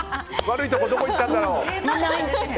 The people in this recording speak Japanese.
悪いとこどこいったんだろう。